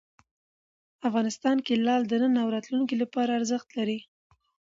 افغانستان کې لعل د نن او راتلونکي لپاره ارزښت لري.